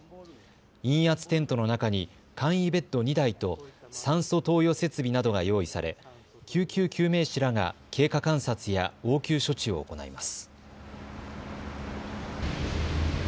陰圧テントの中に簡易ベッド２台と酸素投与設備などが用意され救急救命士らが経過観察や応急処置を行います。